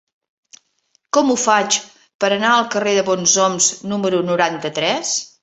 Com ho faig per anar al carrer de Bonsoms número noranta-tres?